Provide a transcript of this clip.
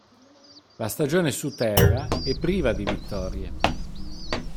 La stagione su terra è priva di vittorie.